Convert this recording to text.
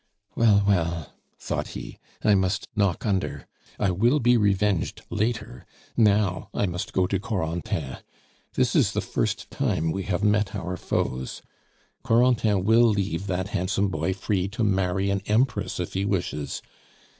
"Well, well," thought he, "I must knock under. I will be revenged later; now I must go to Corentin. This is the first time we have met our foes. Corentin will leave that handsome boy free to marry an Empress if he wishes!